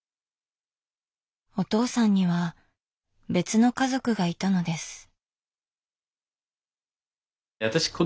お父さんには別の家族がいたのです。